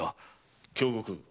京極。